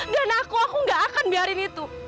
dan aku aku gak akan biarin itu